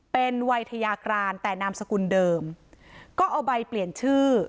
เป็นวัยทยากรานแต่นามสกุลเดิมก็เอาใบเปลี่ยนชื่อ